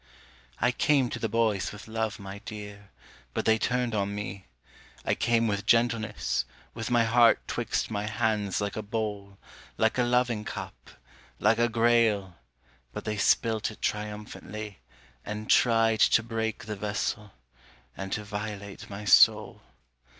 I came to the boys with love, my dear, but they turned on me; I came with gentleness, with my heart 'twixt my hands like a bowl, Like a loving cup, like a grail, but they spilt it triumphantly And tried to break the vessel, and to violate my soul.